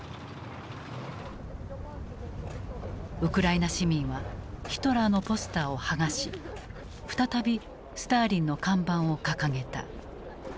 ウクライナ市民はヒトラーのポスターを剥がし再びスターリンの看板を掲げた。